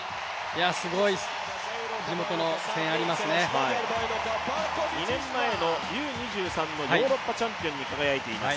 すごく地元の声援、ありますね２年前のＵー２３のヨーロッパチャンピオンに輝いています。